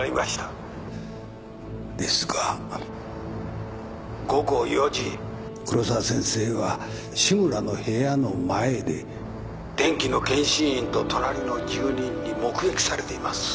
ですが午後４時黒沢先生は志村の部屋の前で電気の検針員と隣の住人に目撃されています。